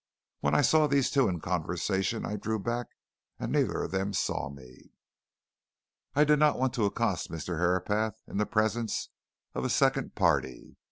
When I saw these two in conversation, I drew back, and neither of them saw me. I did not want to accost Mr. Herapath in the presence of a second party.